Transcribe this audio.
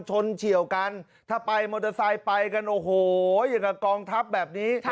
เฉียวกันถ้าไปมอเตอร์ไซค์ไปกันโอ้โหอย่างกับกองทัพแบบนี้